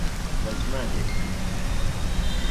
به زمانێک،